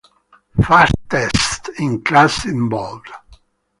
Fastest in class in bold.